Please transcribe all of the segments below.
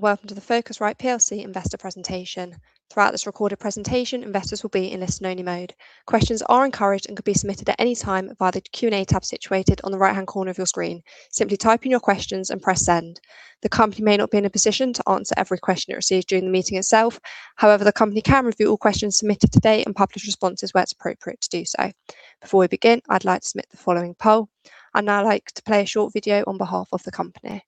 Welcome to the Focusrite plc investor presentation. Throughout this recorded presentation, investors will be in listen only mode. Questions are encouraged and can be submitted at any time via the Q&A tab situated on the right-hand corner of your screen. Simply type in your questions and press send. The company may not be in a position to answer every question it receives during the meeting itself. However, the company can review all questions submitted today and publish responses where it's appropriate to do so. Before we begin, I'd like to submit the following poll. I'd now like to play a short video on behalf of the company.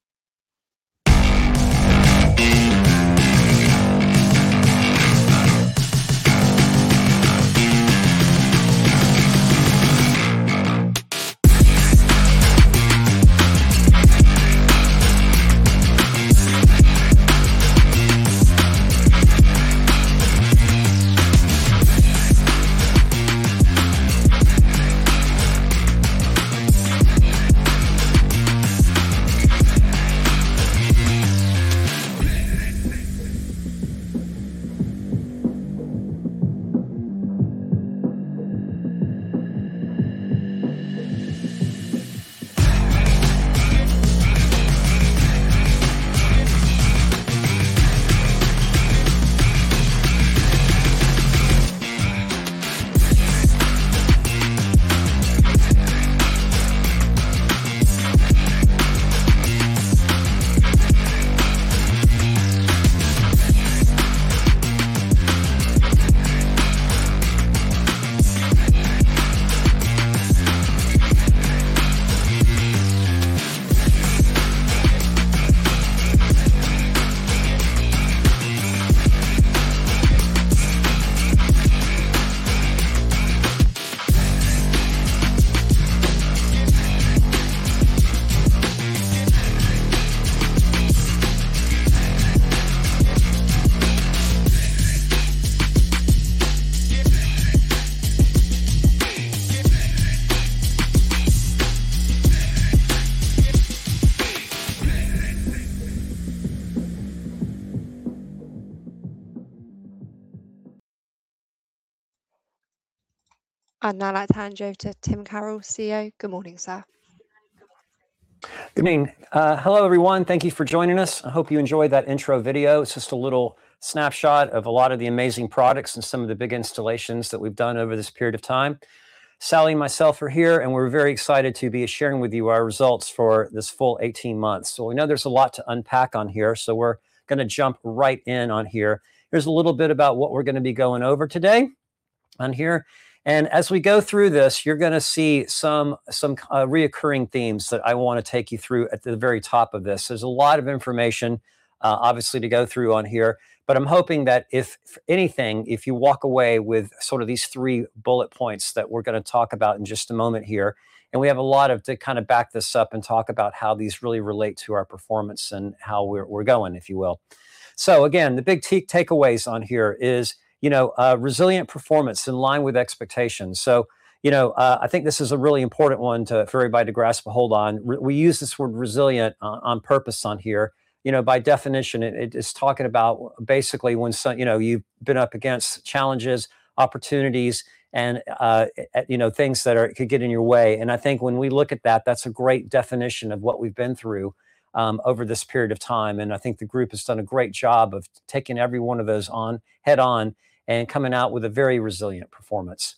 I'd now like to hand you over to Tim Carroll, CEO. Good morning, sir. Good morning. Hello, everyone. Thank you for joining us. I hope you enjoyed that intro video. It's just a little snapshot of a lot of the amazing products and some of the big installations that we've done over this period of time. Sally and myself are here, and we're very excited to be sharing with you our results for this full 18 months. We know there's a lot to unpack on here, so we're going to jump right in on here. Here's a little bit about what we're going to be going over today on here. As we go through this, you're going to see some reoccurring themes that I want to take you through at the very top of this. There's a lot of information, obviously, to go through on here. I'm hoping that if anything, if you walk away with sort of these three bullet points that we're going to talk about in just a moment here, and we have a lot to kind of back this up and talk about how these really relate to our performance and how we're going, if you will. Again, the big takeaways on here is resilient performance in line with expectations. I think this is a really important one for everybody to grasp a hold on. We use this word resilient on purpose on here. By definition, it is talking about basically when you've been up against challenges, opportunities, and things that could get in your way. I think when we look at that's a great definition of what we've been through over this period of time, and I think the group has done a great job of taking every one of those head on and coming out with a very resilient performance.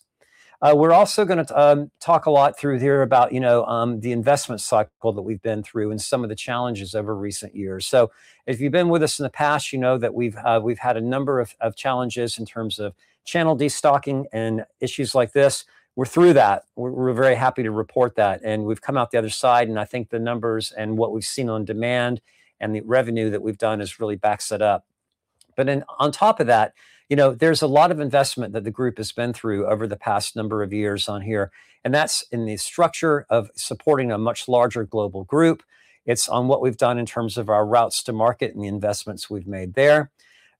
We're also going to talk a lot through here about the investment cycle that we've been through and some of the challenges over recent years. If you've been with us in the past, you know that we've had a number of challenges in terms of channel destocking and issues like this. We're through that. We're very happy to report that. We've come out the other side, and I think the numbers and what we've seen on demand and the revenue that we've done has really backs it up. On top of that, there's a lot of investment that the Group has been through over the past number of years on here, and that's in the structure of supporting a much larger global Group. It's on what we've done in terms of our routes to market and the investments we've made there.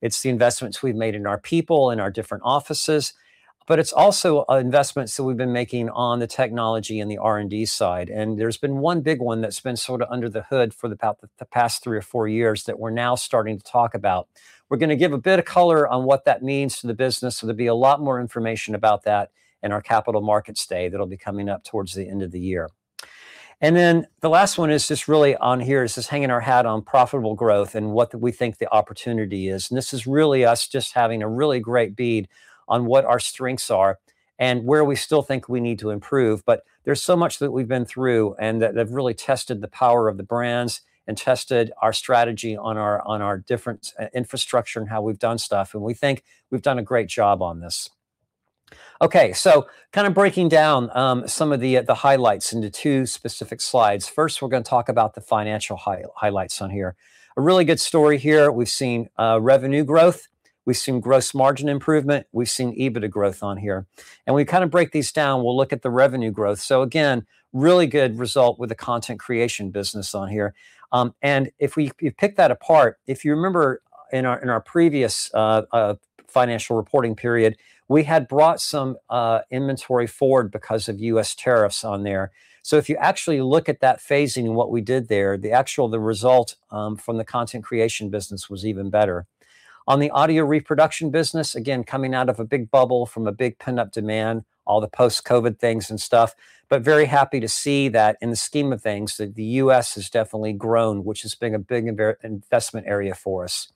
It's the investments we've made in our people, in our different offices, but it's also investments that we've been making on the technology and the R&D side. There's been one big one that's been sort of under the hood for the past three or four years that we're now starting to talk about. We're going to give a bit of color on what that means for the business. There'll be a lot more information about that in our capital markets day that'll be coming up towards the end of the year. The last one is just really on here is just hanging our hat on profitable growth and what we think the opportunity is. This is really us just having a really great bead on what our strengths are and where we still think we need to improve. There's so much that we've been through and that have really tested the power of the brands and tested our strategy on our different infrastructure and how we've done stuff, and we think we've done a great job on this. Okay. Kind of breaking down some of the highlights into two specific slides. First, we're going to talk about the financial highlights on here. A really good story here. We've seen revenue growth, we've seen gross margin improvement, we've seen EBITDA growth on here. We kind of break these down. We'll look at the revenue growth. Again, really good result with the Content Creation business on here. If you pick that apart, if you remember in our previous financial reporting period, we had brought some inventory forward because of U.S. tariffs on there. If you actually look at that phasing and what we did there, the result from the Content Creation business was even better. On the Audio Reproduction business, again, coming out of a big bubble from a big pent-up demand. All the post-COVID things and stuff, but very happy to see that in the scheme of things, that the U.S. has definitely grown, which has been a big investment area for us.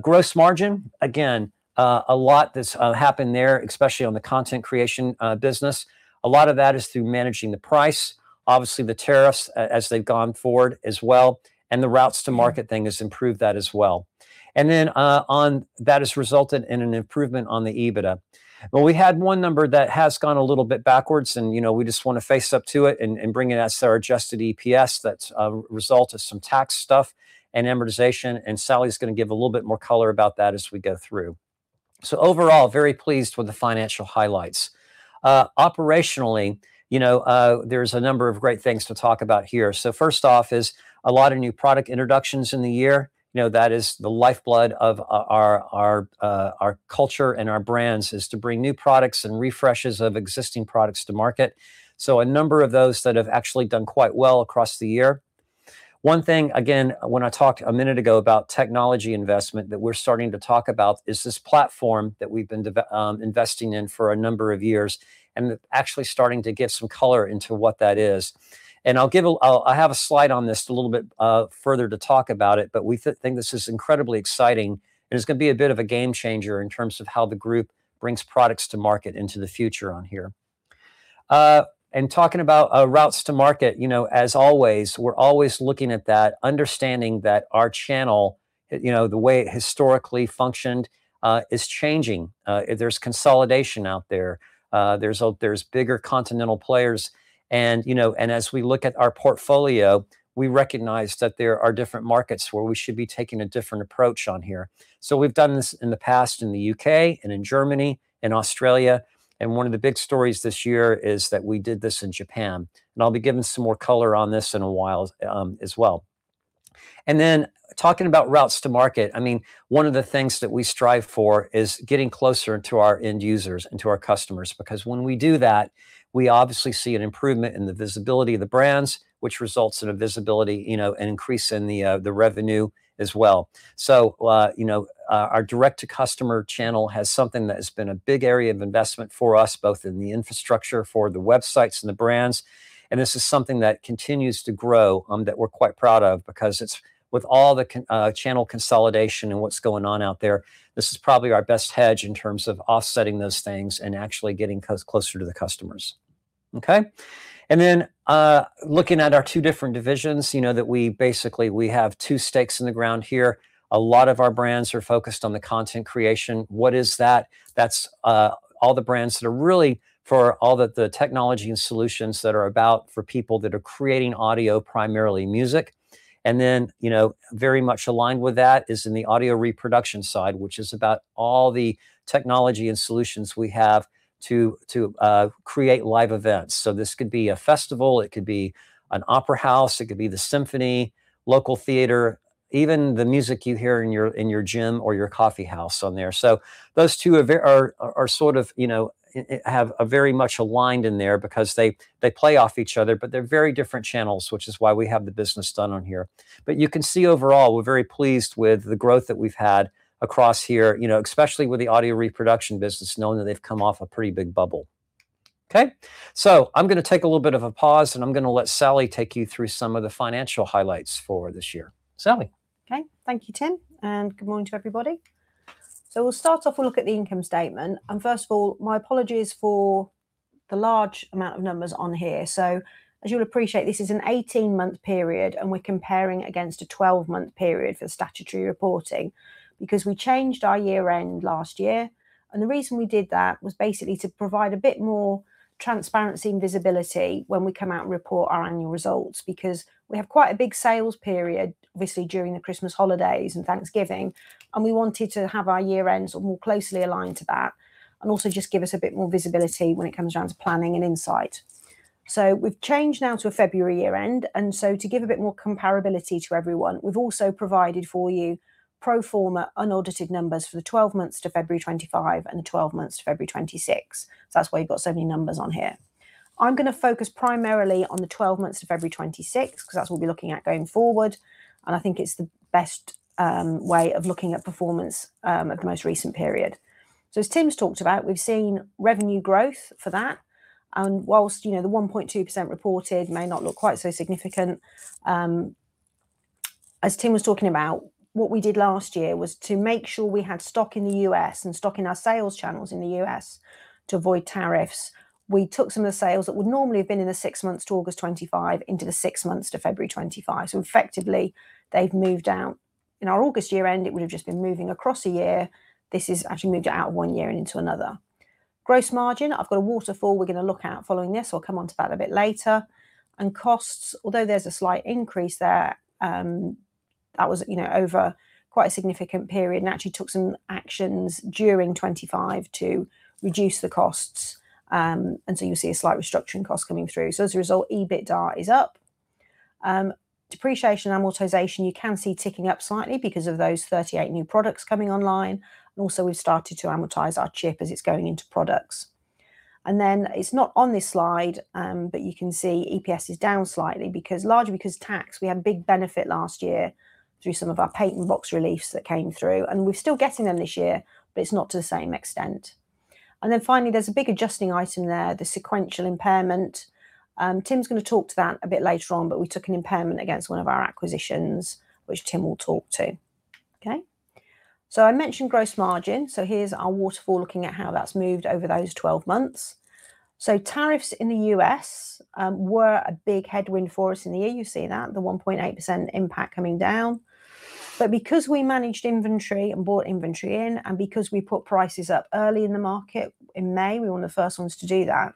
Gross margin, again, a lot that's happened there, especially on the Content Creation business. A lot of that is through managing the price, obviously the tariffs as they've gone forward as well, and the routes to market thing has improved that as well. That has resulted in an improvement on the EBITDA. We had one number that has gone a little bit backwards and we just want to face up to it and bring it as our adjusted EPS. That's a result of some tax stuff and amortization, and Sally's going to give a little bit more color about that as we go through. Overall, very pleased with the financial highlights. Operationally, there's a number of great things to talk about here. First off is a lot of new product introductions in the year. That is the lifeblood of our culture and our brands is to bring new products and refreshes of existing products to market. A number of those that have actually done quite well across the year. One thing, again, when I talked a minute ago about technology investment that we're starting to talk about is this platform that we've been investing in for a number of years and actually starting to get some color into what that is. I have a slide on this a little bit further to talk about it, but we think this is incredibly exciting and it's going to be a bit of a game changer in terms of how the group brings products to market into the future on here. Talking about routes to market, as always, we're always looking at that, understanding that our channel, the way it historically functioned, is changing. There's consolidation out there. There's bigger continental players. As we look at our portfolio, we recognize that there are different markets where we should be taking a different approach on here. We've done this in the past in the U.K. and in Germany and Australia. One of the big stories this year is that we did this in Japan. I'll be giving some more color on this in a while as well. Talking about routes to market, one of the things that we strive for is getting closer to our end users and to our customers, because when we do that, we obviously see an improvement in the visibility of the brands, which results in a visibility, an increase in the revenue as well. Our direct-to-customer channel has something that has been a big area of investment for us, both in the infrastructure for the websites and the brands, and this is something that continues to grow, that we're quite proud of because with all the channel consolidation and what's going on out there, this is probably our best hedge in terms of offsetting those things and actually getting closer to the customers. Okay. Looking at our two different divisions, that we basically have two stakes in the ground here. A lot of our brands are focused on the Content Creation. What is that. That's all the brands that are really for all the technology and solutions that are about for people that are creating audio, primarily music. Very much aligned with that is in the Audio Reproduction side, which is about all the technology and solutions we have to create live events. This could be a festival, it could be an opera house, it could be the symphony, local theater, even the music you hear in your gym or your coffee house on there. Those two have very much aligned in there because they play off each other, but they're very different channels, which is why we have the business done on here. You can see overall, we're very pleased with the growth that we've had across here, especially with the Audio Reproduction business, knowing that they've come off a pretty big bubble. Okay, I'm going to take a little bit of a pause and I'm going to let Sally take you through some of the financial highlights for this year. Sally. Okay. Thank you, Tim, and good morning to everybody. We'll start off, we'll look at the income statement. First of all, my apologies for the large amount of numbers on here. As you'll appreciate, this is an 18-month period, and we're comparing against a 12-month period for statutory reporting because we changed our year end last year, and the reason we did that was basically to provide a bit more transparency and visibility when we come out and report our annual results. We have quite a big sales period, obviously, during the Christmas holidays and Thanksgiving, and we wanted to have our year end more closely aligned to that, and also just give us a bit more visibility when it comes down to planning and insight. We've changed now to a February year end, and to give a bit more comparability to everyone, we've also provided for you pro forma unaudited numbers for the 12 months to February 2025 and the 12 months to February 2026. That's why you've got so many numbers on here. I'm going to focus primarily on the 12 months to February 2026, because that's what we'll be looking at going forward, and I think it's the best way of looking at performance at the most recent period. As Tim's talked about, we've seen revenue growth for that, and whilst the 1.2% reported may not look quite so significant, as Tim was talking about, what we did last year was to make sure we had stock in the U.S. and stock in our sales channels in the U.S. to avoid tariffs. We took some of the sales that would normally have been in the six months to August 2025 into the six months to February 2025. Effectively, they've moved out. In our August year end, it would have just been moving across a year. This has actually moved it out one year and into another. Gross margin, I've got a waterfall we're going to look at following this, I'll come onto that a bit later. Costs, although there's a slight increase there, that was over quite a significant period and actually took some actions during 2025 to reduce the costs, and you'll see a slight restructuring cost coming through. As a result, EBITDA is up. Depreciation and amortization, you can see ticking up slightly because of those 38 new products coming online. Also we've started to amortize our chip as it's going into products. It's not on this slide, but you can see EPS is down slightly, largely because tax, we had a big benefit last year through some of our patent box reliefs that came through, and we're still getting them this year, but it's not to the same extent. Finally, there's a big adjusting item there, the Sequential impairment. Tim's going to talk to that a bit later on, but we took an impairment against one of our acquisitions, which Tim will talk to. Okay. I mentioned gross margin. Here's our waterfall, looking at how that's moved over those 12 months. Tariffs in the U.S. were a big headwind for us in the year. You see that, the 1.8% impact coming down. Because we managed inventory and bought inventory in, and because we put prices up early in the market in May, we were one of the first ones to do that,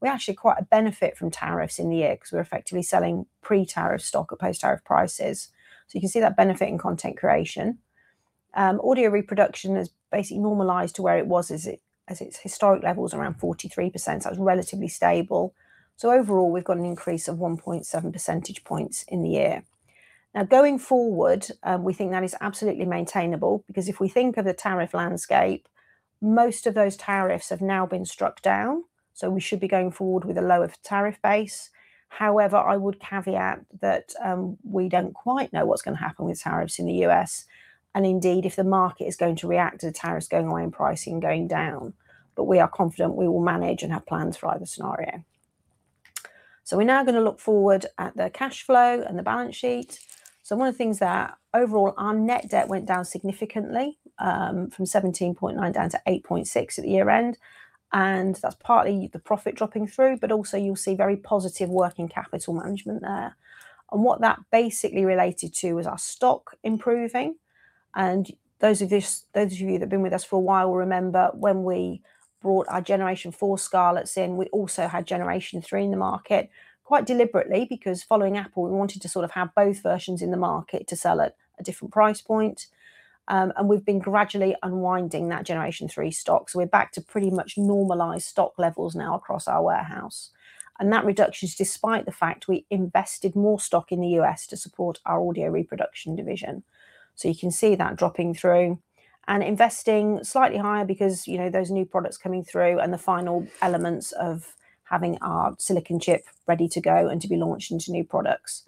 we actually quite a benefit from tariffs in the year because we were effectively selling pre-tariff stock at post-tariff prices. You can see that benefiting Content Creation. Audio Reproduction has basically normalized to where it was as its historic level is around 43%, so that was relatively stable. Overall, we've got an increase of 1.7 percentage points in the year. Going forward, we think that is absolutely maintainable, because if we think of the tariff landscape, most of those tariffs have now been struck down, so we should be going forward with a lower tariff base. However, I would caveat that we don't quite know what's going to happen with tariffs in the U.S. and indeed, if the market is going to react to the tariffs going away and pricing going down. We are confident we will manage and have plans for either scenario. We're now going to look forward at the cash flow and the balance sheet. One of the things that overall our net debt went down significantly, from 17.9 down to 8.6 at the year-end, and that's partly the profit dropping through, but also you'll see very positive working capital management there. What that basically related to was our stock improving, and those of you that have been with us for a while will remember when we brought our 4th Generation Scarlett in. We also had 3rd Generation in the market quite deliberately, because following Apple, we wanted to sort of have both versions in the market to sell at a different price point. We've been gradually unwinding that 3rd Generation stock. We're back to pretty much normalized stock levels now across our warehouse, and that reduction is despite the fact we invested more stock in the U.S. to support our Audio Reproduction division. You can see that dropping through and investing slightly higher because those are new products coming through and the final elements of having our silicon chip ready to go and to be launched into new products.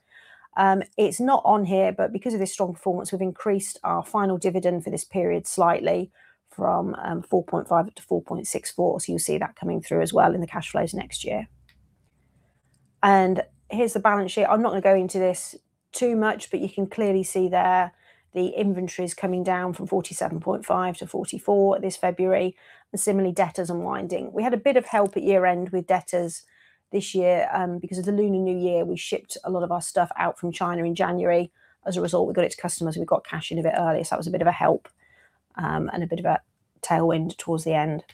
It's not on here, because of this strong performance, we've increased our final dividend for this period slightly from 4.5 up to 4.64, so you'll see that coming through as well in the cash flows next year. Here's the balance sheet. I'm not going to go into this too much, but you can clearly see there the inventory's coming down from 47.5 to 44 this February, and similarly, debtors unwinding. We had a bit of help at year-end with debtors this year. Because of the Lunar New Year, we shipped a lot of our stuff out from China in January. As a result, we got it to customers, and we got cash in a bit earlier, so that was a bit of a help, and a bit of a tailwind towards the end.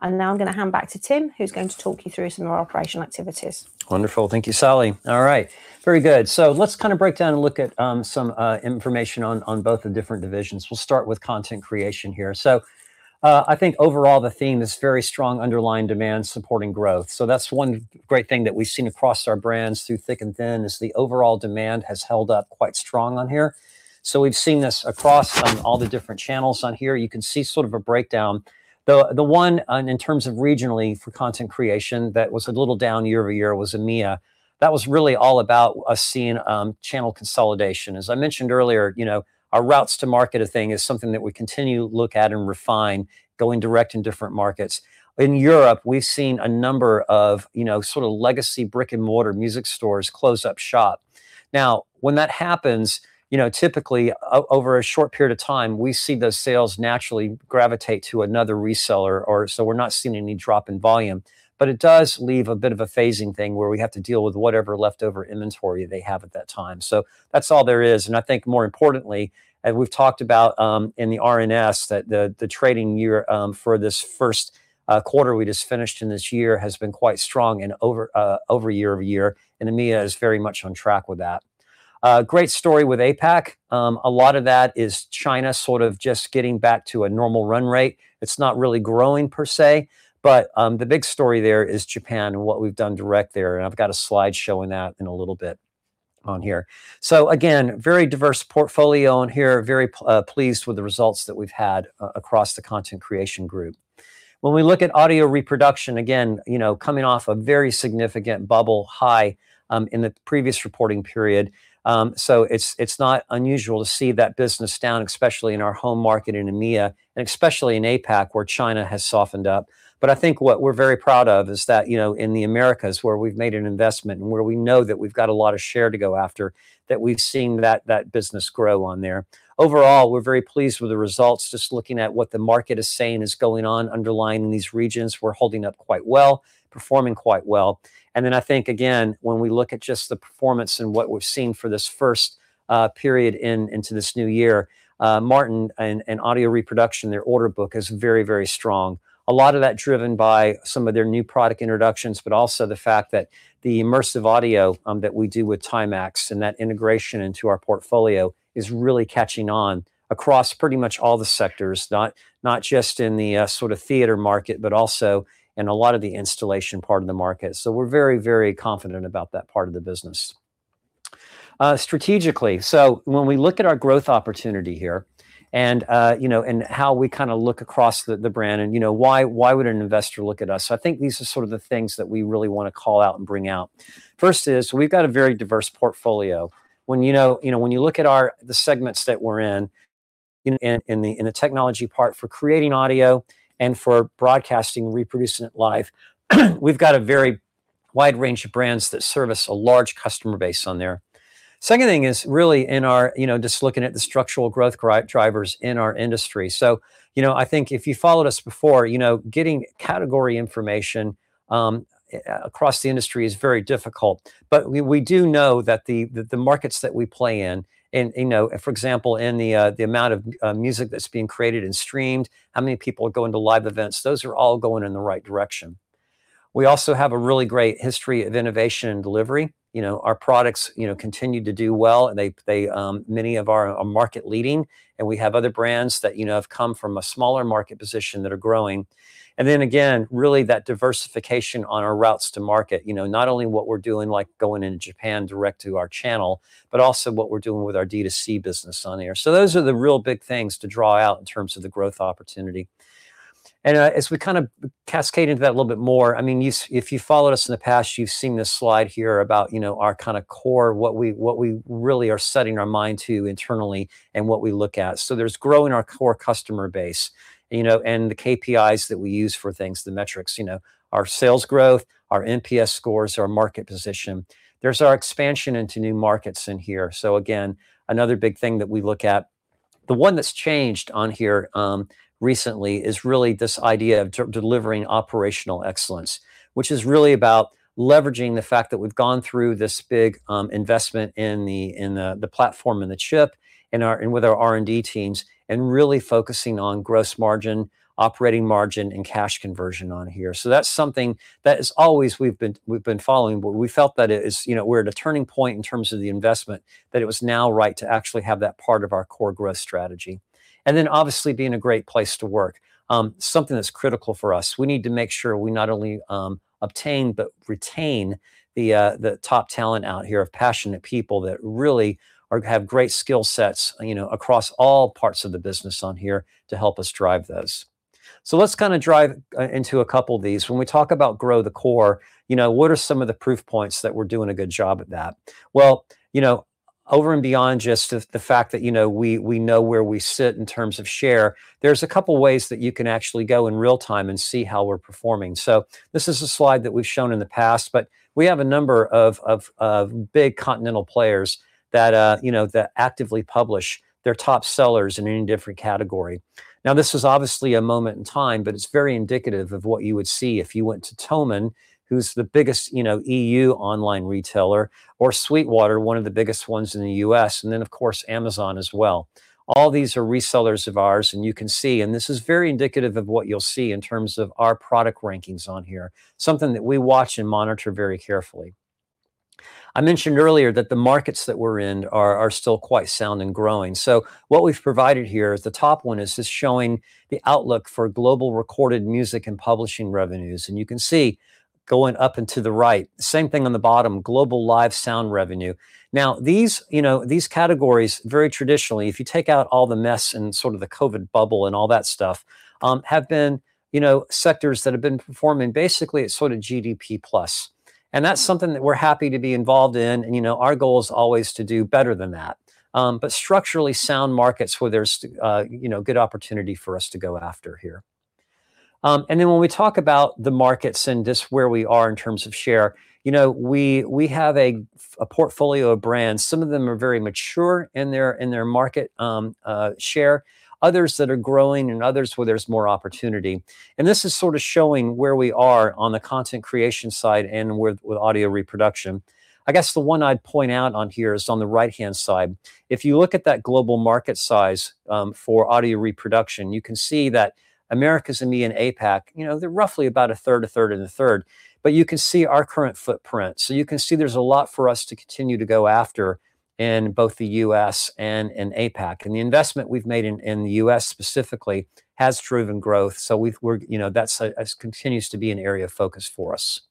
Now I'm going to hand back to Tim, who's going to talk you through some of our operational activities. Wonderful. Thank you, Sally. All right. Very good. Let's kind of break down and look at some information on both the different divisions. We'll start with Content Creation here. I think overall the theme is very strong underlying demand supporting growth. That's one great thing that we've seen across our brands through thick and thin is the overall demand has held up quite strong on here. We've seen this across on all the different channels on here. You can see sort of a breakdown. The one in terms of regionally for Content Creation that was a little down year-over-year was EMEA. That was really all about us seeing channel consolidation. As I mentioned earlier, our routes to market a thing is something that we continue to look at and refine, going direct in different markets. In Europe, we've seen a number of sort of legacy brick-and-mortar music stores close up shop. Now, when that happens, typically, over a short period of time, we see those sales naturally gravitate to another reseller or so we're not seeing any drop in volume, but it does leave a bit of a phasing thing where we have to deal with whatever leftover inventory they have at that time. That's all there is. I think more importantly, as we've talked about in the RNS, that the trading year for this first quarter we just finished in this year has been quite strong and over year-over-year, and EMEA is very much on track with that. Great story with APAC. A lot of that is China sort of just getting back to a normal run rate. It's not really growing per se, the big story there is Japan and what we've done direct there, and I've got a slide showing that in a little bit on here. Again, very diverse portfolio on here, very pleased with the results that we've had across the Content Creation group. When we look at Audio Reproduction, again, coming off a very significant bubble high, in the previous reporting period. It's not unusual to see that business down, especially in our home market in EMEA and especially in APAC, where China has softened up. I think what we're very proud of is that, in the Americas, where we've made an investment and where we know that we've got a lot of share to go after, that we've seen that business grow on there. Overall, we're very pleased with the results, just looking at what the market is saying is going on underlying these regions. We're holding up quite well, performing quite well. I think, again, when we look at just the performance and what we've seen for this first period into this new year, Martin Audio and Audio Reproduction, their order book is very strong. A lot of that driven by some of their new product introductions, but also the fact that the immersive audio that we do with TiMax and that integration into our portfolio is really catching on across pretty much all the sectors, not just in the sort of theater market, but also in a lot of the installation part of the market. We're very confident about that part of the business. Strategically, when we look at our growth opportunity here and how we kind of look across the brand and why would an investor look at us, I think these are sort of the things that we really want to call out and bring out. First is, we've got a very diverse portfolio. When you look at the segments that we're in the technology part for creating audio and for broadcasting, reproducing it live, we've got a very wide range of brands that service a large customer base on there. Second thing is really just looking at the structural growth drivers in our industry. I think if you followed us before, getting category information across the industry is very difficult. We do know that the markets that we play in, for example, in the amount of music that's being created and streamed, how many people are going to live events, those are all going in the right direction. We also have a really great history of innovation and delivery. Our products continue to do well. Many of our are market leading, and we have other brands that have come from a smaller market position that are growing. Again, really that diversification on our routes to market, not only what we're doing, like going into Japan direct to our channel, but also what we're doing with our D2C business on there. Those are the real big things to draw out in terms of the growth opportunity. As we kind of cascade into that a little bit more, if you followed us in the past, you've seen this slide here about our core, what we really are setting our mind to internally and what we look at. There's growing our core customer base, and the KPIs that we use for things, the metrics, our sales growth, our NPS scores, our market position. There's our expansion into new markets in here. Again, another big thing that we look at. The one that's changed on here recently is really this idea of delivering operational excellence, which is really about leveraging the fact that we've gone through this big investment in the platform and the chip, and with our R&D teams, and really focusing on gross margin, operating margin, and cash conversion on here. That's something that is always we've been following, but we felt that we're at a turning point in terms of the investment, that it was now right to actually have that part of our core growth strategy. Obviously being a great place to work, something that's critical for us. We need to make sure we not only obtain but retain the top talent out here of passionate people that really have great skill sets, across all parts of the business on here to help us drive those. Let's drive into a couple of these. When we talk about grow the core, what are some of the proof points that we're doing a good job at that? Well, over and beyond just the fact that we know where we sit in terms of share. There's a couple ways that you can actually go in real time and see how we're performing. This is a slide that we've shown in the past, but we have a number of big continental players that actively publish their top sellers in any different category. This is obviously a moment in time, but it's very indicative of what you would see if you went to Thomann, who's the biggest EU online retailer, or Sweetwater, one of the biggest ones in the U.S., and then, of course, Amazon as well. All these are resellers of ours, and you can see, and this is very indicative of what you'll see in terms of our product rankings on here, something that we watch and monitor very carefully. I mentioned earlier that the markets that we're in are still quite sound and growing. What we've provided here is the top one is just showing the outlook for global recorded music and publishing revenues. You can see going up and to the right, same thing on the bottom, global live sound revenue. These categories, very traditionally, if you take out all the mess and sort of the COVID bubble and all that stuff, have been sectors that have been performing basically at sort of GDP plus. That's something that we're happy to be involved in, and our goal is always to do better than that. Structurally sound markets where there's good opportunity for us to go after here. When we talk about the markets and just where we are in terms of share, we have a portfolio of brands. Some of them are very mature in their market share, others that are growing, and others where there's more opportunity. This is showing where we are on the Content Creation side and with Audio Reproduction. I guess the one I'd point out on here is on the right-hand side. If you look at that global market size, for Audio Reproduction, you can see that Americas, EMEA, and APAC, they're roughly about a third, a third, and a third. You can see our current footprint. You can see there's a lot for us to continue to go after in both the U.S. and in APAC. The investment we've made in the U.S. specifically has driven growth, so that continues to be an area of focus for us.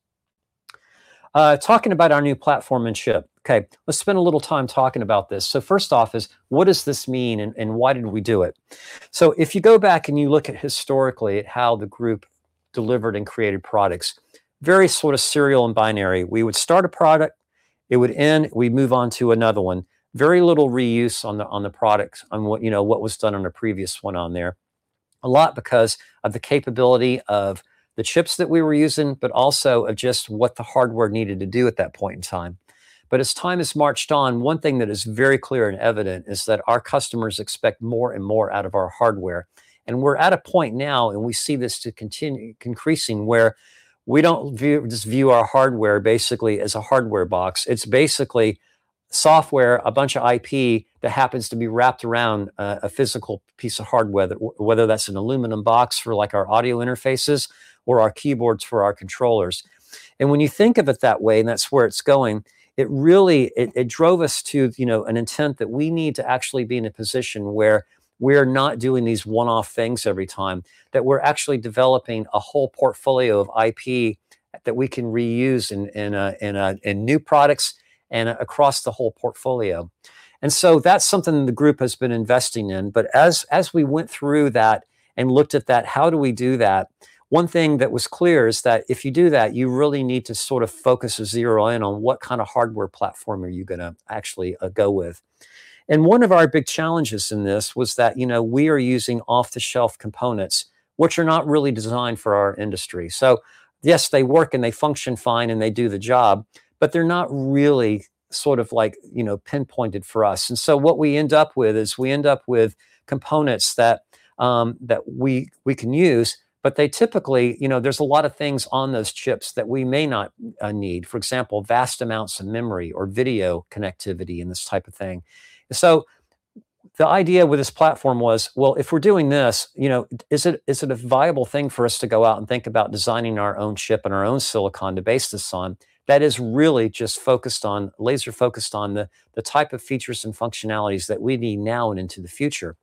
Talking about our new platform and chip. Let's spend a little time talking about this. First off is what does this mean and why did we do it? If you go back and you look at historically at how the group delivered and created products, very sort of serial and binary. We would start a product, it would end, we'd move on to another one. Very little reuse on the products on what was done on a previous one on there. A lot because of the capability of the chips that we were using, but also of just what the hardware needed to do at that point in time. As time has marched on, one thing that is very clear and evident is that our customers expect more and more out of our hardware. We are at a point now, and we see this increasing, where we don't just view our hardware basically as a hardware box. It's basically software, a bunch of IP that happens to be wrapped around a physical piece of hardware, whether that's an aluminum box for our audio interfaces or our keyboards for our controllers. When you think of it that way, and that's where it's going, it drove us to an intent that we need to actually be in a position where we're not doing these one-off things every time, that we're actually developing a whole portfolio of IP that we can reuse in new products and across the whole portfolio. So that's something the group has been investing in. As we went through that and looked at that, how do we do that, one thing that was clear is that if you do that, you really need to focus and zero in on what kind of hardware platform are you going to actually go with. One of our big challenges in this was that we are using off-the-shelf components, which are not really designed for our industry. Yes, they work and they function fine, and they do the job, but they're not really pinpointed for us. What we end up with is, we end up with components that we can use, but there's a lot of things on those chips that we may not need. For example, vast amounts of memory or video connectivity and this type of thing. The idea with this platform was, well, if we're doing this, is it a viable thing for us to go out and think about designing our own chip and our own silicon to base this on, that is really just laser-focused on the type of features and functionalities that we need now and into the future?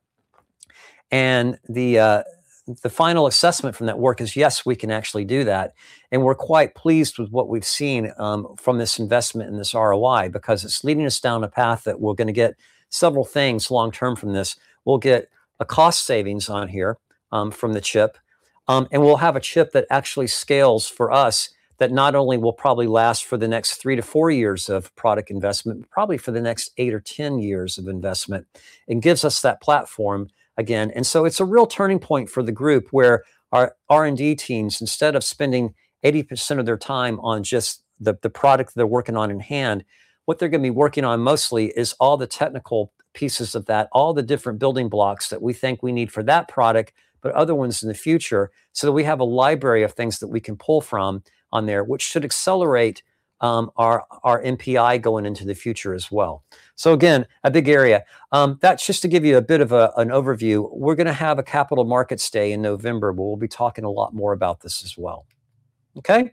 The final assessment from that work is, yes, we can actually do that, and we're quite pleased with what we've seen from this investment and this ROI, because it's leading us down a path that we're going to get several things long term from this. We'll get a cost savings on here from the chip. We'll have a chip that actually scales for us that not only will probably last for the next three to four years of product investment. Probably for the next eight or 10 years of investment, and gives us that platform again. It's a real turning point for the group where our R&D teams, instead of spending 80% of their time on just the product they're working on in hand, what they're going to be working on mostly is all the technical pieces of that, all the different building blocks that we think we need for that product, but other ones in the future, so that we have a library of things that we can pull from on there, which should accelerate our NPI going into the future as well. A big area. That's just to give you a bit of an overview. We're going to have a capital markets day in November where we'll be talking a lot more about this as well. Okay.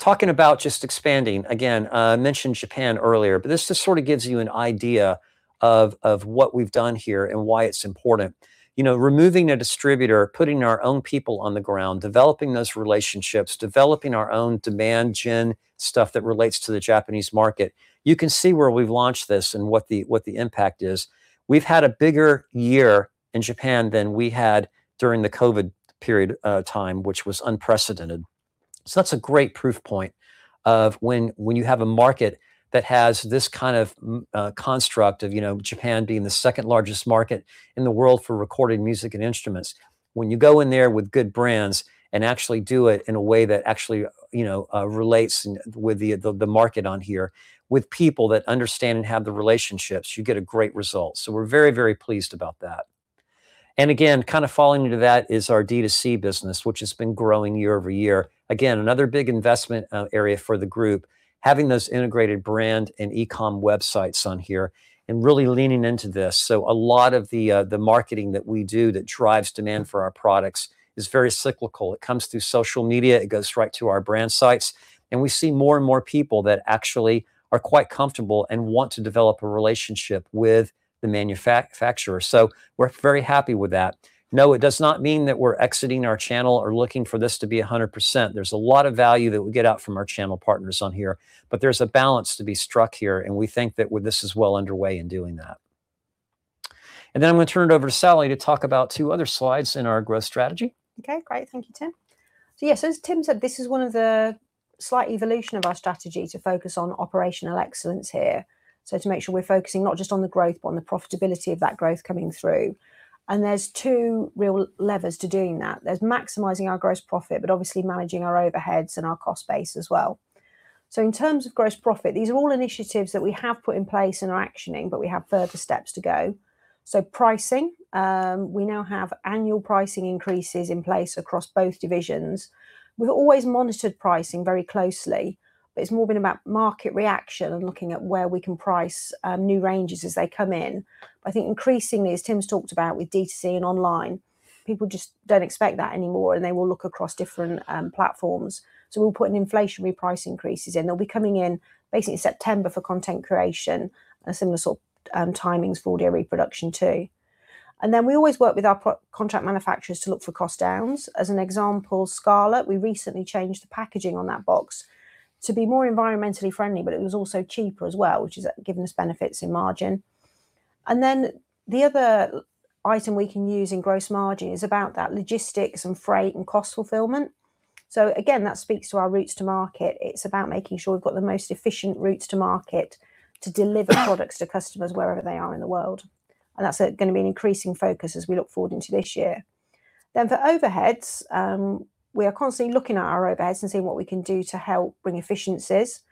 Talking about just expanding. I mentioned Japan earlier, but this just gives you an idea of what we've done here and why it's important: removing a distributor, putting our own people on the ground, developing those relationships, developing our own demand gen stuff that relates to the Japanese market. You can see where we've launched this and what the impact is. We've had a bigger year in Japan than we had during the COVID period of time, which was unprecedented. That's a great proof point of when you have a market that has this kind of construct of Japan being the second-largest market in the world for recorded music and instruments. You go in there with good brands and actually do it in a way that actually relates with the market on here. With people that understand and have the relationships, you get a great result. We're very, very pleased about that. Falling into that is our D2C business, which has been growing year-over-year. Another big investment area for the group, having those integrated brand and e-com websites on here and really leaning into this. A lot of the marketing that we do that drives demand for our products is very cyclical. It comes through social media. It goes right to our brand sites, and we see more and more people that actually are quite comfortable and want to develop a relationship with the manufacturer. We're very happy with that. It does not mean that we're exiting our channel or looking for this to be 100%. There's a lot of value that we get out from our channel partners on here, but there's a balance to be struck here, and we think that this is well underway in doing that. I'm going to turn it over to Sally to talk about two other slides in our growth strategy. Okay, great. Thank you, Tim. Yes, as Tim said, this is one of the slight evolution of our strategy to focus on operational excellence here. To make sure we're focusing not just on the growth, but on the profitability of that growth coming through. There's two real levers to doing that. There's maximizing our gross profit, but obviously managing our overheads and our cost base as well. In terms of gross profit, these are all initiatives that we have put in place and are actioning, but we have further steps to go. Pricing, we now have annual pricing increases in place across both divisions. We've always monitored pricing very closely, but it's more been about market reaction and looking at where we can price new ranges as they come in. I think increasingly, as Tim's talked about with D2C and online, people just don't expect that anymore, and they will look across different platforms. We'll put in inflationary price increases in. They'll be coming in basically September for Content Creation, and similar sort of timings for Audio Reproduction, too. We always work with our contract manufacturers to look for cost downs. As an example, Scarlett, we recently changed the packaging on that box to be more environmentally friendly, but it was also cheaper as well, which has given us benefits in margin. The other item we can use in gross margin is about that logistics and freight and cost fulfillment. Again, that speaks to our routes to market. It's about making sure we've got the most efficient routes to market to deliver products to customers wherever they are in the world. That's going to be an increasing focus as we look forward into this year. For overheads, we are constantly looking at our overheads and seeing what we can do to help bring efficiencies.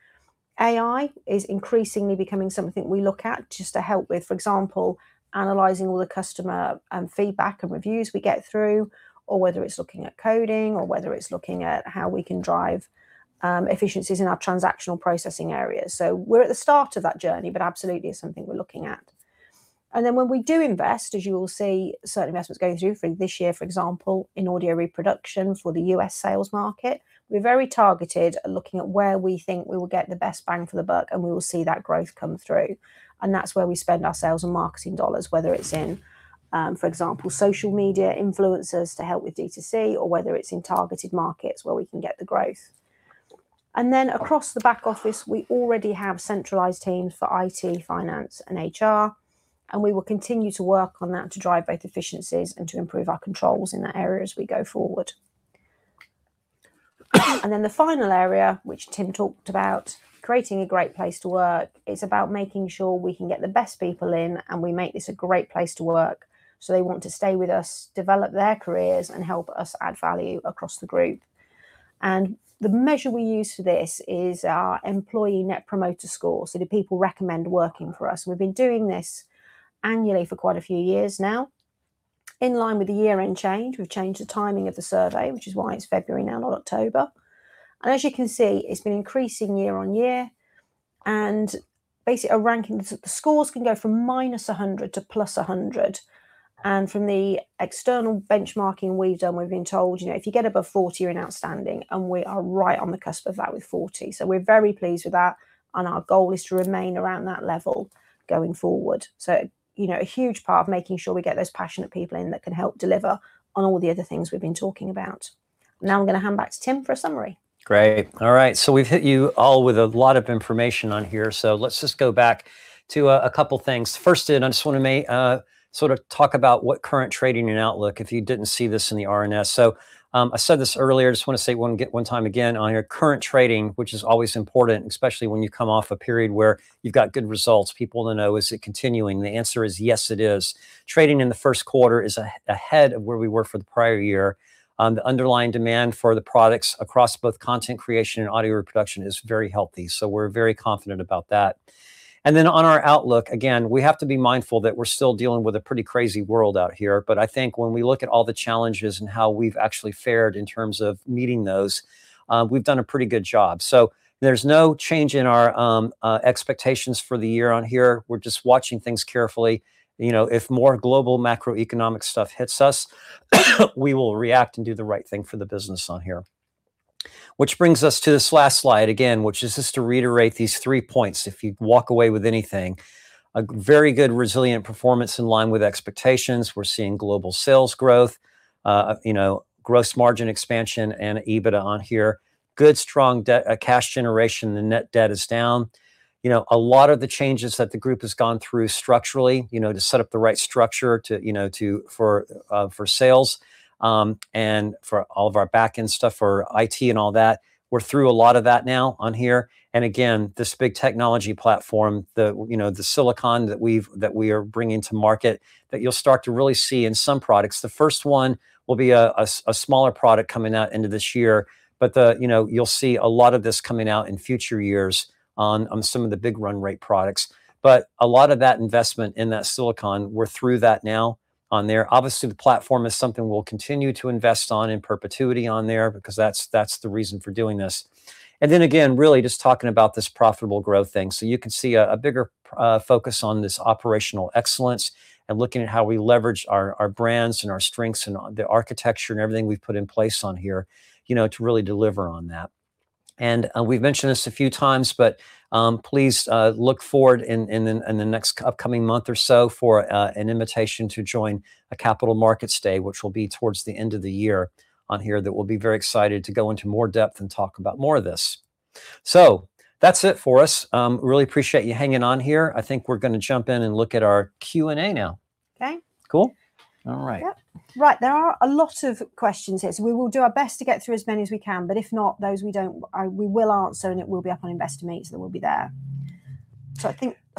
AI is increasingly becoming something we look at just to help with, for example, analyzing all the customer feedback and reviews we get through, or whether it's looking at coding or whether it's looking at how we can drive efficiencies in our transactional processing areas. We're at the start of that journey, but absolutely it's something we're looking at. When we do invest, as you will see certain investments going through for this year, for example, in Audio Reproduction for the U.S. sales market, we're very targeted at looking at where we think we will get the best bang for the buck, and we will see that growth come through. That's where we spend our sales and marketing GBP, whether it's in, for example, social media influencers to help with D2C or whether it's in targeted markets where we can get the growth. Across the back office, we already have centralized teams for IT, finance, and HR, and we will continue to work on that to drive both efficiencies and to improve our controls in that area as we go forward. The final area, which Tim talked about, creating a great place to work. It's about making sure we can get the best people in, and we make this a great place to work, so they want to stay with us, develop their careers, and help us add value across the group. The measure we use for this is our Employee Net Promoter Score. Do people recommend working for us? We've been doing this annually for quite a few years now. In line with the year-end change, we've changed the timing of the survey, which is why it's February now, not October. As you can see, it's been increasing year on year. Basically, the scores can go from -100 to +100. From the external benchmarking we've done, we've been told, if you get above 40, you're in outstanding. We are right on the cusp of that with 40. We're very pleased with that, and our goal is to remain around that level going forward. A huge part of making sure we get those passionate people in that can help deliver on all the other things we've been talking about. I'm going to hand back to Tim for a summary. Great. All right. We've hit you all with a lot of information on here, so let's just go back to a couple things. First in, I just want to sort of talk about what current trading and outlook, if you didn't see this in the RNS. I said this earlier, just want to say one time again, on your current trading, which is always important, especially when you come off a period where you've got good results. People want to know, is it continuing? The answer is yes, it is. Trading in the first quarter is ahead of where we were for the prior year. The underlying demand for the products across both Content Creation and Audio Reproduction is very healthy, so we're very confident about that. On our outlook, again, we have to be mindful that we're still dealing with a pretty crazy world out here. I think when we look at all the challenges and how we've actually fared in terms of meeting those, we've done a pretty good job. There's no change in our expectations for the year on here. We're just watching things carefully. If more global macroeconomic stuff hits us, we will react and do the right thing for the business on here. Which brings us to this last slide, again, which is just to reiterate these three points, if you walk away with anything. A very good, resilient performance in line with expectations. We're seeing global sales growth, gross margin expansion, and EBITDA on here. Good, strong cash generation. The net debt is down. A lot of the changes that the group has gone through structurally to set up the right structure for sales, and for all of our back end stuff for IT and all that, we're through a lot of that now on here. Again, this big technology platform, the silicon that we are bringing to market, that you'll start to really see in some products. The first one will be a smaller product coming out end of this year. You'll see a lot of this coming out in future years on some of the big Run Rate products. A lot of that investment in that silicon, we're through that now on there. Obviously, the platform is something we'll continue to invest on in perpetuity on there, because that's the reason for doing this. Again, really just talking about this profitable growth thing. You can see a bigger focus on this operational excellence and looking at how we leverage our brands and our strengths and the architecture and everything we've put in place on here to really deliver on that. We've mentioned this a few times, but please look forward in the next upcoming month or so for an invitation to join a capital markets day, which will be towards the end of the year on here, that we'll be very excited to go into more depth and talk about more of this. That's it for us. Really appreciate you hanging on here. I think we're going to jump in and look at our Q&A now. Okay. Cool? All right. Yep. Right, there are a lot of questions here, we will do our best to get through as many as we can. If not, those we don't, we will answer, and it will be up on Investor Meet, it will be there.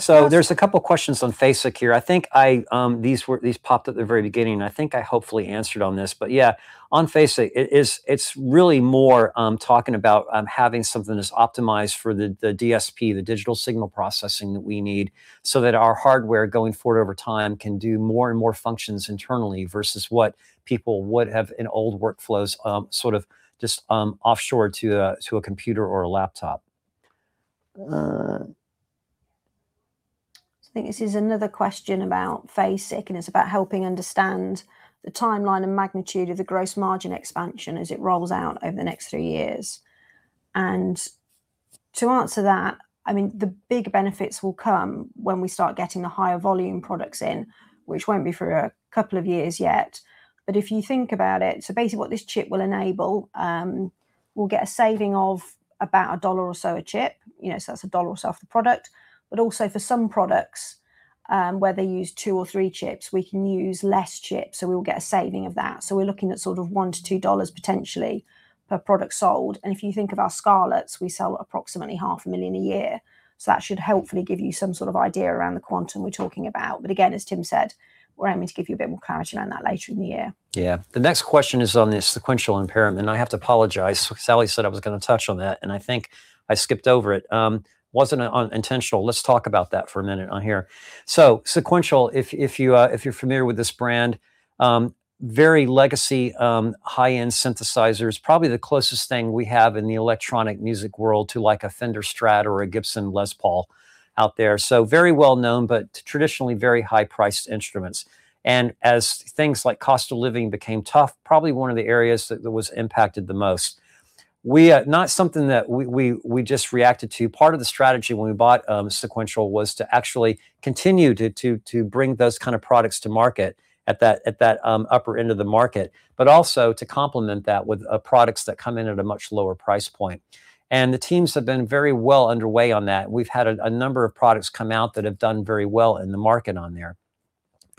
There's a couple questions on FASIC here. I think these popped at the very beginning, and I think I hopefully answered on this. Yeah, on FASIC, it's really more talking about having something that's optimized for the DSP, the digital signal processing that we need, that our hardware going forward over time can do more and more functions internally versus what people would have in old workflows, sort of just offshore to a computer or a laptop. I think this is another question about FASIC, and it is about helping understand the timeline and magnitude of the gross margin expansion as it rolls out over the next three years. To answer that, the big benefits will come when we start getting the higher volume products in, which will not be for a couple of years yet. If you think about it, basically what this chip will enable, we will get a saving of about $1 or so a chip. That is $1 or so off the product. Also for some products, where they use two or three chips, we can use less chips, so we will get a saving of that. We are looking at sort of $1 to $2 potentially per product sold. If you think of our Scarlett, we sell approximately half a million a year. That should hopefully give you some sort of idea around the quantum we are talking about. Again, as Tim said, we are aiming to give you a bit more clarity on that later in the year. Yeah. The next question is on the Sequential impairment, and I have to apologize. Sally said I was going to touch on that, and I think I skipped over it. It was not intentional. Let us talk about that for a minute on here. Sequential, if you are familiar with this brand, very legacy, high-end synthesizers. Probably the closest thing we have in the electronic music world to a Fender Stratocaster or a Gibson Les Paul out there. Very well-known, but traditionally very high-priced instruments. As things like cost of living became tough, probably one of the areas that was impacted the most. Not something that we just reacted to. Part of the strategy when we bought Sequential was to actually continue to bring those kind of products to market at that upper end of the market. Also to complement that with products that come in at a much lower price point. The teams have been very well underway on that. We have had a number of products come out that have done very well in the market on there.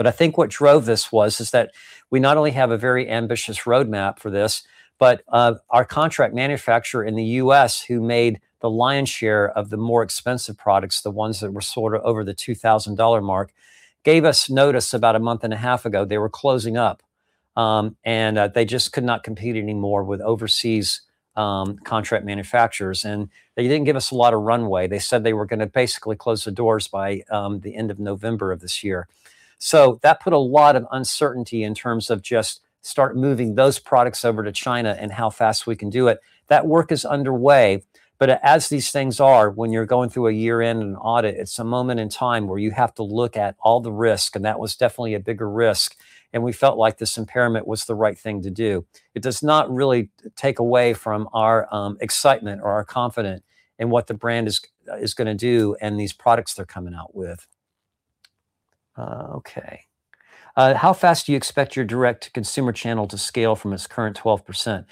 I think what drove this was that we not only have a very ambitious roadmap for this, but our contract manufacturer in the U.S., who made the lion's share of the more expensive products, the ones that were sort of over the $2,000 mark, gave us notice about a month and a half ago. They were closing up, and they just could not compete anymore with overseas contract manufacturers. They didn't give us a lot of runway. They said they were going to basically close the doors by the end of November of this year. That put a lot of uncertainty in terms of just start moving those products over to China and how fast we can do it. That work is underway, as these things are, when you're going through a year-end and audit, it's a moment in time where you have to look at all the risk, and that was definitely a bigger risk, and we felt like this impairment was the right thing to do. It does not really take away from our excitement or our confidence in what the brand is going to do and these products they're coming out with. Okay. How fast do you expect your direct-to-consumer channel to scale from its current 12%?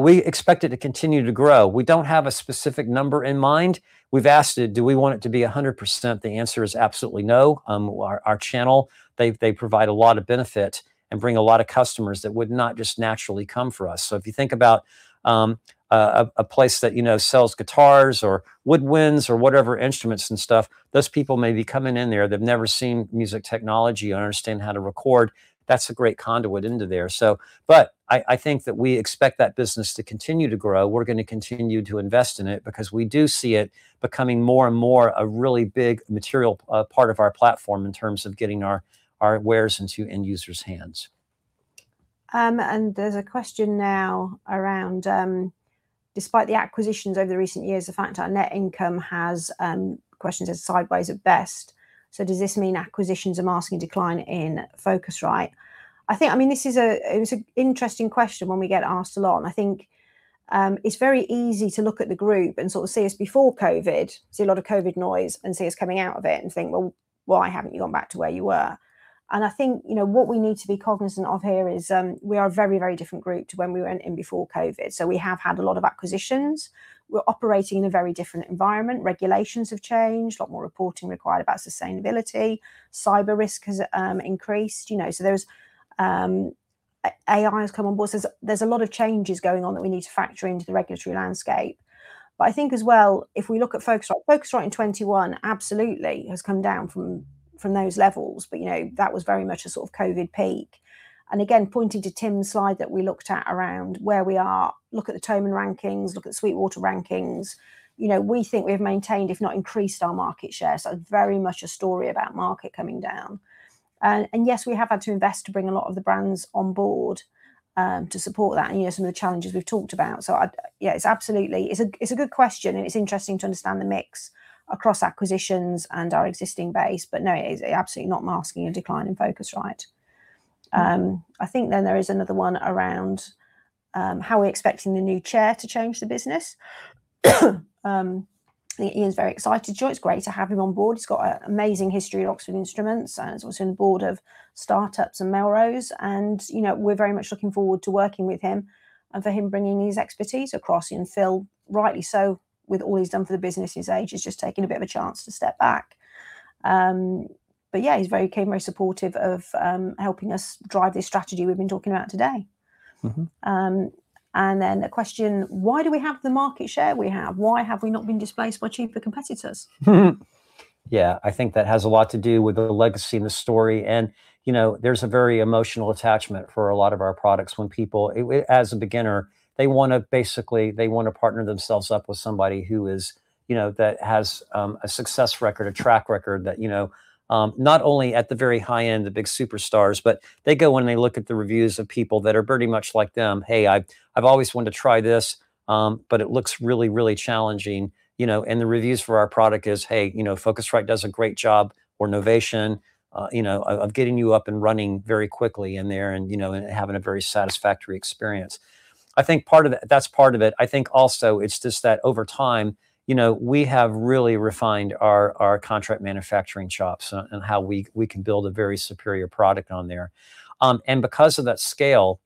We expect it to continue to grow. We don't have a specific number in mind. We've asked it, do we want it to be 100%? The answer is absolutely no. Our channel, they provide a lot of benefit and bring a lot of customers that would not just naturally come for us. If you think about a place that sells guitars or woodwinds or whatever instruments and stuff, those people may be coming in there. They've never seen music technology or understand how to record. That's a great conduit into there. I think that we expect that business to continue to grow. We're going to continue to invest in it because we do see it becoming more and more a really big material part of our platform in terms of getting our wares into end users' hands. There's a question now around, despite the acquisitions over the recent years, the fact our net income has, question says, sideways at best. Does this mean acquisitions are masking a decline in Focusrite? I think it's an interesting question when we get asked a lot, and I think it's very easy to look at the group and sort of see us before COVID, see a lot of COVID noise, and see us coming out of it and think, "Well, why haven't you gone back to where you were?" I think what we need to be cognizant here is we are a very different group to when we went in before COVID. We have had a lot of acquisitions. We're operating in a very different environment. Regulations have changed. A lot more reporting required about sustainability. Cyber risk has increased. AI has come on board. There's a lot of changes going on that we need to factor into the regulatory landscape. I think as well, if we look at Focusrite in 2021 absolutely has come down from those levels. That was very much a sort of COVID peak. Again, pointing to Tim's slide that we looked at around where we are, look at the Thomann rankings, look at Sweetwater rankings. We think we've maintained, if not increased, our market share. Very much a story about market coming down. Yes, we have had to invest to bring a lot of the brands on board to support that, and some of the challenges we've talked about. Yeah, it's a good question, and it's interesting to understand the mix across acquisitions and our existing base. No, it is absolutely not masking a decline in Focusrite. I think there is another one around how we're expecting the new Chair to change the business. Ian's very excited. It's great to have him on board. He's got an amazing history at Oxford Instruments and has also been on the board of startups and Melrose Industries, and we're very much looking forward to working with him and for him bringing his expertise across. Phil, rightly so, with all he's done for the business, his age, he's just taking a bit of a chance to step back. He became very supportive of helping us drive this strategy we've been talking about today. A question, why do we have the market share we have? Why have we not been displaced by cheaper competitors? I think that has a lot to do with the legacy and the story, there's a very emotional attachment for a lot of our products when people, as a beginner, they want to partner themselves up with somebody that has a success record, a track record that, not only at the very high end, the big superstars, but they go and they look at the reviews of people that are pretty much like them. "Hey, I've always wanted to try this, but it looks really challenging." The reviews for our product is, "Hey, Focusrite does a great job," or Novation, of getting you up and running very quickly in there and having a very satisfactory experience. I think that's part of it. I think also it's just that over time, we have really refined our contract manufacturing shops and how we can build a very superior product on there. Because of that scale,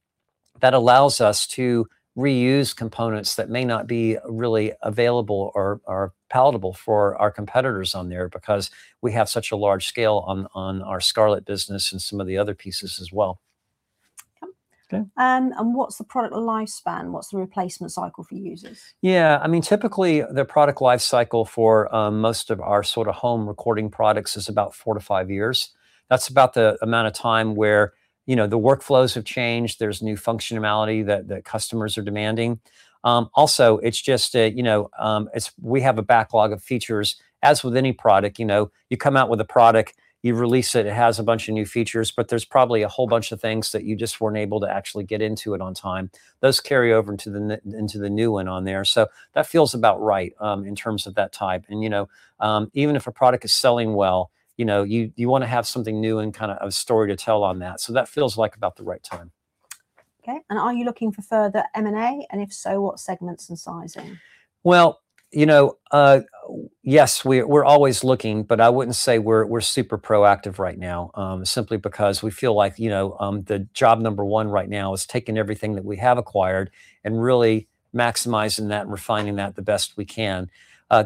that allows us to reuse components that may not be really available or are palatable for our competitors on there because we have such a large scale on our Scarlett business and some of the other pieces as well. Okay. Okay. What's the product lifespan? What's the replacement cycle for users? Typically, the product life cycle for most of our sort of home recording products is about four to five years. That's about the amount of time where the workflows have changed. There's new functionality that customers are demanding. We have a backlog of features. With any product, you come out with a product, you release it has a bunch of new features, there's probably a whole bunch of things that you just weren't able to actually get into it on time. Those carry over into the new one on there. That feels about right in terms of that type. Even if a product is selling well, you want to have something new and kind of a story to tell on that. That feels like about the right time. Okay. Are you looking for further M&A, and if so, what segments and sizing? Yes, we're always looking, I wouldn't say we're super proactive right now, simply we feel like the job number one right now is taking everything that we have acquired and really maximizing that and refining that the best we can.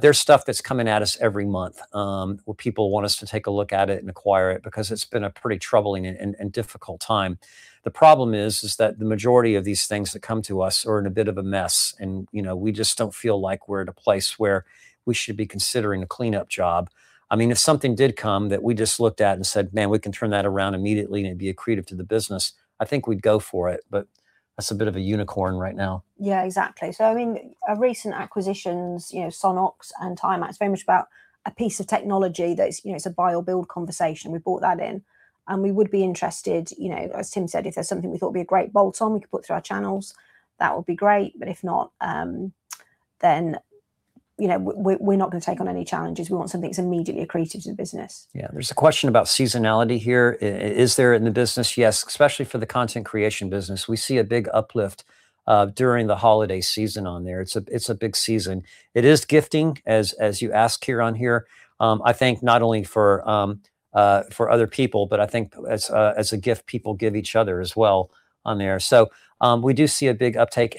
There's stuff that's coming at us every month, where people want us to take a look at it and acquire it's been a pretty troubling and difficult time. The problem is that the majority of these things that come to us are in a bit of a mess, we just don't feel like we're in a place where we should be considering a cleanup job. If something did come that we just looked at and said, "Man, we can turn that around immediately and it'd be accretive to the business." I think we'd go for it, but that's a bit of a unicorn right now. Yeah, exactly. Our recent acquisitions, Sonnox and TiMax, very much about a piece of technology that it's a buy or build conversation. We bought that in, and we would be interested, as Tim said, if there's something we thought would be a great bolt-on we could put through our channels, that would be great. If not, we're not going to take on any challenges. We want something that's immediately accretive to the business. Yeah. There's a question about seasonality here. Is there in the business? Yes, especially for the Content Creation business. We see a big uplift during the holiday season on there. It's a big season. It is gifting, as you ask here on here. I think not only for other people, but I think as a gift people give each other as well on there. We do see a big uptake.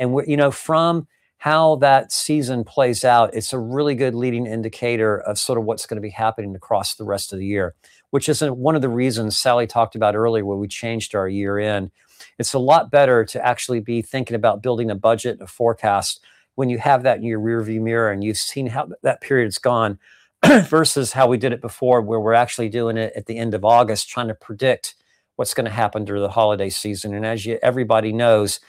From how that season plays out, it's a really good leading indicator of sort of what's going to be happening across the rest of the year. Which is one of the reasons Sally talked about earlier, where we changed our year end. It's a lot better to actually be thinking about building a budget and a forecast when you have that in your rear view mirror and you've seen how that period's gone versus how we did it before, where we're actually doing it at the end of August, trying to predict what's going to happen through the holiday season. As everybody knows,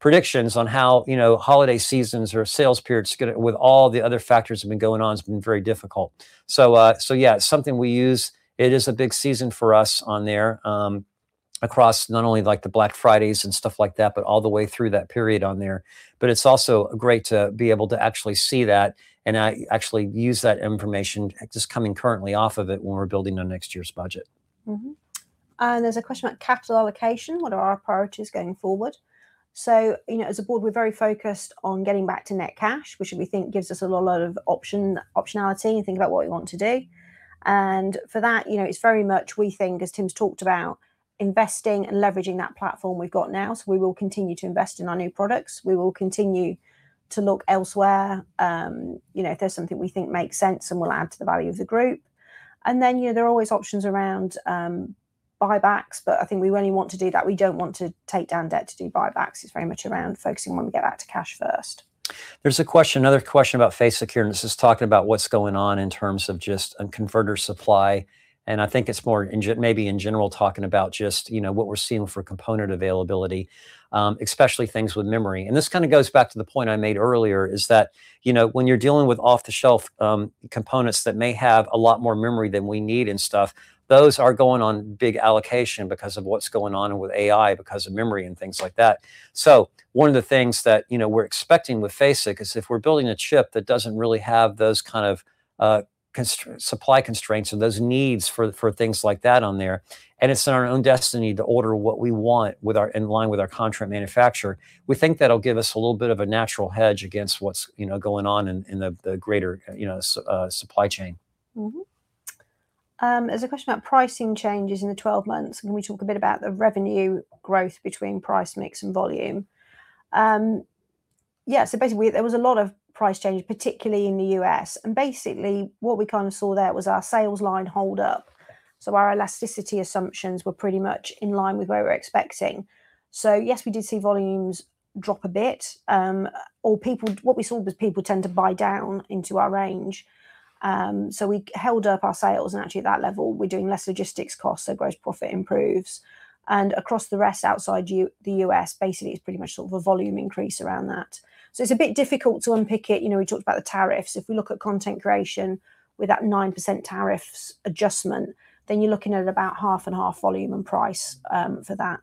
predictions on how holiday seasons or sales periods with all the other factors that have been going on, has been very difficult. Yeah, it's something we use. It is a big season for us on there, across not only the Black Fridays and stuff like that, but all the way through that period on there. It's also great to be able to actually see that and actually use that information just coming currently off of it when we're building on next year's budget. There's a question about capital allocation. What are our priorities going forward? As a board, we're very focused on getting back to net cash, which we think gives us a lot of optionality and think about what we want to do. For that, it's very much we think, as Tim's talked about, investing and leveraging that platform we've got now. We will continue to invest in our new products. We will continue to look elsewhere if there's something we think makes sense and will add to the value of the group. Then, there are always options around buybacks, but I think we only want to do that. We don't want to take down debt to do buybacks. It's very much around focusing when we get back to cash first. There's a question, another question about FASIC, and this is talking about what's going on in terms of just a converter supply, and I think it's more maybe in general, talking about just what we're seeing for component availability, especially things with memory. This kind of goes back to the point I made earlier, is that when you're dealing with off-the-shelf components that may have a lot more memory than we need and stuff, those are going on big allocation because of what's going on with AI, because of memory and things like that. One of the things that we're expecting with FASIC is if we're building a chip that doesn't really have those kind of supply constraints and those needs for things like that on there, and it's in our own destiny to order what we want in line with our contract manufacturer, we think that'll give us a little bit of a natural hedge against what's going on in the greater supply chain. There's a question about pricing changes in the 12 months. Can we talk a bit about the revenue growth between price mix and volume? Basically, there was a lot of price changes, particularly in the U.S., and basically what we kind of saw there was our sales line hold up. Our elasticity assumptions were pretty much in line with where we're expecting. Yes, we did see volumes drop a bit. What we saw was people tend to buy down into our range, so we held up our sales, and actually at that level, we're doing less logistics costs, so gross profit improves. Across the rest outside the U.S., basically it's pretty much sort of a volume increase around that. It's a bit difficult to unpick it. We talked about the tariffs. If we look at Content Creation with that 9% tariffs adjustment, then you're looking at about half and half volume and price for that.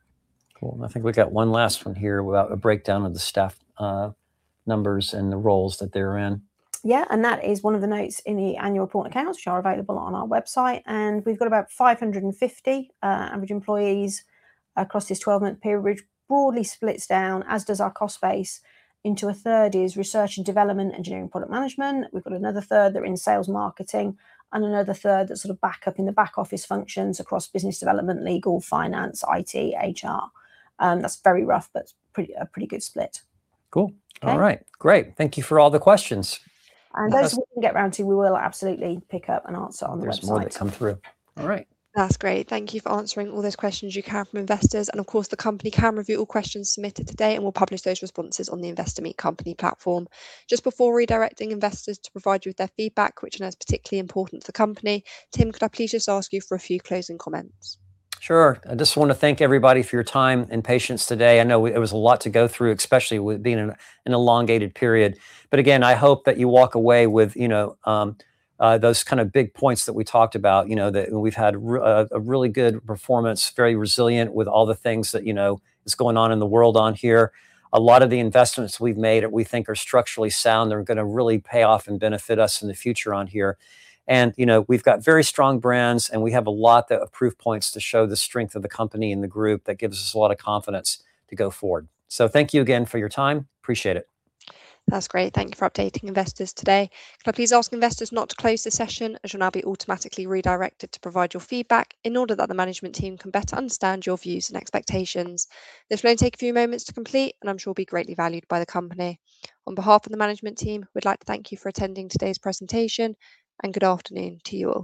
Cool. I think we've got one last one here about a breakdown of the staff numbers and the roles that they're in. That is one of the notes in the annual report accounts, which are available on our website. We've got about 550 average employees across this 12-month period, which broadly splits down, as does our cost base, into a third is Research and Development, engineering, product management. We've got another third that are in Sales Marketing, and another third that sort of back up in the back office functions across Business Development, Legal, Finance, IT, HR. That's very rough, but a pretty good split. Cool. Okay. All right. Great. Thank you for all the questions. Those we can get round to, we will absolutely pick up and answer on the website. If there's more that come through. All right. That's great. Thank you for answering all those questions you have from investors. Of course, the company can review all questions submitted today, and we'll publish those responses on the Investor Meet Company platform. Just before redirecting investors to provide you with their feedback, which I know is particularly important for the company, Tim, could I please just ask you for a few closing comments? Sure. I just want to thank everybody for your time and patience today. I know it was a lot to go through, especially with being in an elongated period. Again, I hope that you walk away with those kind of big points that we talked about, that we've had a really good performance, very resilient with all the things that is going on in the world on here. A lot of the investments we've made that we think are structurally sound are going to really pay off and benefit us in the future on here. We've got very strong brands, and we have a lot of proof points to show the strength of the company and the group that gives us a lot of confidence to go forward. Thank you again for your time. Appreciate it. That's great. Thank you for updating investors today. Could I please ask investors not to close the session, as you'll now be automatically redirected to provide your feedback in order that the management team can better understand your views and expectations. This will only take a few moments to complete, and I'm sure will be greatly valued by the company. On behalf of the management team, we'd like to thank you for attending today's presentation and good afternoon to you all.